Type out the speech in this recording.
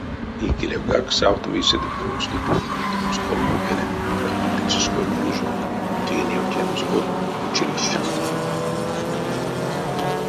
Икелевгак савтови седе куроксто пурнавтомс колмо велень драматической кружок, тейневтемс од училищасо парт спектаклят.